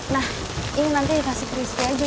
nah ini nanti dikasih ke rizky aja